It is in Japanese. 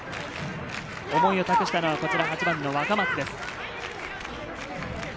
思いを託したのは８番の若松です。